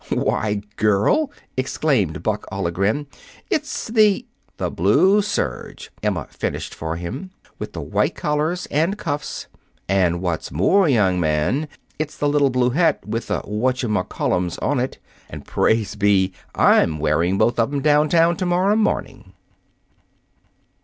"Why, girl!" exclaimed Buck, all a grin, "it's the " "The blue serge," Emma finished for him, "with the white collars and cuffs. And what's more, young man, it's the little blue hat with the what cha ma call ems on it. And praise be! I'm wearing 'em both down town to morrow morning."